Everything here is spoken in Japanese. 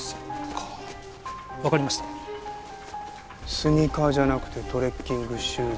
スニーカーじゃなくてトレッキングシューズ。